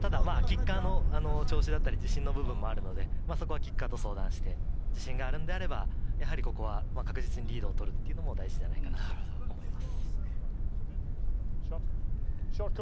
キッカーの調子だったり、自信の部分もあるので、そこはキッカーと相談して、自信があるのであれば、確実にリードを取るのも大事じゃないかなと思います。